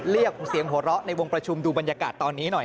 เรียกเสียงหัวเราะในวงประชุมดูบรรยากาศตอนนี้หน่อย